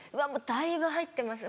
だいぶ入ってます。